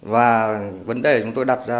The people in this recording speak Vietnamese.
và vấn đề chúng tôi đặt ra